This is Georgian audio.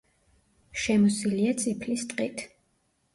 შემოსილია წიფლის ტყით.